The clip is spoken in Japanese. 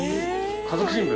家族新聞？